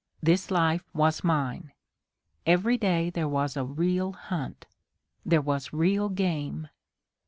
This life was mine. Every day there was a real hunt. There was real game.